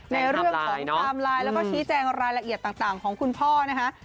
ในเรื่องของไทม์ไลน์แล้วก็ชี้แจงรายละเอียดต่างของคุณพ่อนะคะ